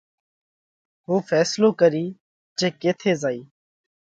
هُون ڦينصلو ڪرِيه جي ڪيٿئہ زائِيه۔